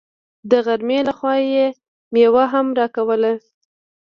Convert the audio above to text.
د غرمې له خوا يې مېوه هم راکوله.